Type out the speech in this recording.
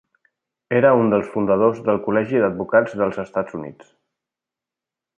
Era un dels fundadors del Col·legi d'Advocats dels Estats Units.